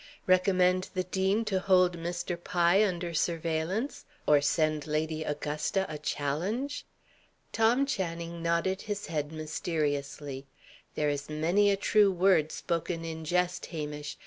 "Recommend the dean to hold Mr. Pye under surveillance? Or send Lady Augusta a challenge?" Tom Channing nodded his head mysteriously. "There is many a true word spoken in jest, Hamish.